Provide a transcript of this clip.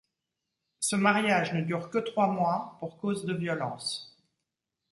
Ce mariage ne dure que trois mois pour cause de violence.